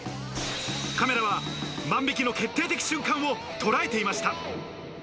カメラは万引きの決定的瞬間を捉えていました。